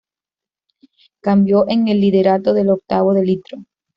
Cambio en el liderato del octavo de litro.